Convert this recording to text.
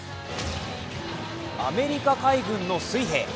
アメリカ海軍の水兵。